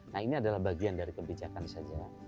nah ini adalah bagian dari kebijakan saja